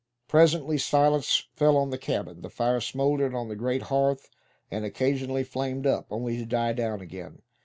Presently silence fell upon the cabin. The fire smouldered on the great hearth, and occasionally flamed up, only to die down again.